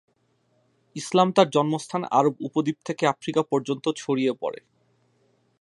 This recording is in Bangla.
ইসলাম তার জন্মস্থান আরব উপদ্বীপ থেকে আফ্রিকা পর্যন্ত ছড়িয়ে পড়ে।